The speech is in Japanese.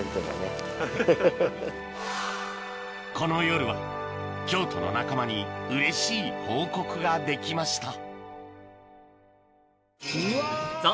この夜は京都の仲間にうれしい報告ができました